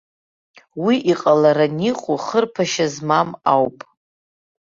Уи иҟаларан иҟоу, хырԥашьа змам ауп.